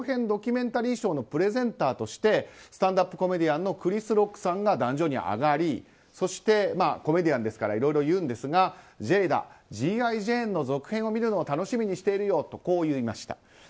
ドキュメンタリー賞のプレゼンターとしてスタンダップコメディアンのクリス・ロックさんが壇上に上がりそしてコメディアンですからいろいろ言うんですがジェイダ「Ｇ．Ｉ．ジェーン」の続編を見るのを楽しみにしているよと言いました。